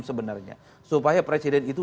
sebenarnya supaya presiden itu